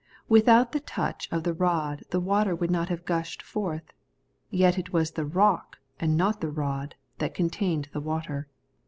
Without the touch of the rod the water would not have gushed forth ; yet it was the rock, and not the rod, that contained the water.